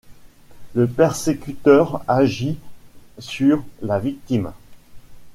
Le persécuteur agit sur la victime.